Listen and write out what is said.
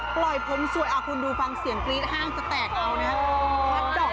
ปล่อยผมสวยคุณดูฟังเสียงกรี๊ดห้างจะแตกเอานะฮะ